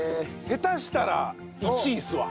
下手したら１位ですわ。